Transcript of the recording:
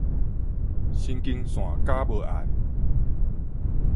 神經線絞無絚